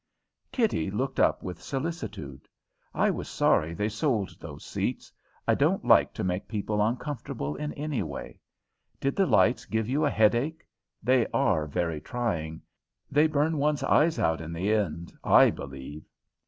Kitty looked up with solicitude. "I was sorry they sold those seats. I don't like to make people uncomfortable in any way. Did the lights give you a headache? They are very trying. They burn one's eyes out in the end, I believe."